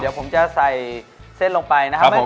เดี๋ยวผมจะใส่เส้นลงไปนะครับ